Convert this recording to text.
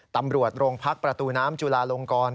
ตำรวจโรงพักประตูน้ำจุลาลงกร